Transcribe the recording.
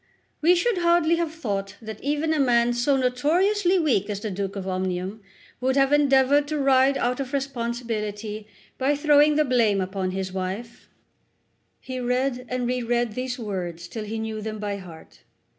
"We should hardly have thought that even a man so notoriously weak as the Duke of Omnium would have endeavoured to ride out of responsibility by throwing the blame upon his wife." He read and reread these words till he knew them by heart.